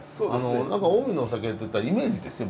何か近江のお酒っていったらイメージですよ